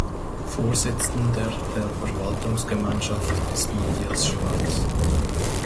Vorsitzender der Verwaltungsgemeinschaft ist Matthias Schwarz.